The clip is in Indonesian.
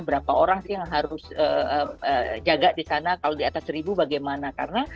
berapa orang sih yang harus jaga di sana kalau di atas seribu bagaimana